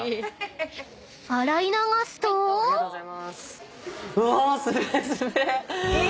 ［洗い流すと］え！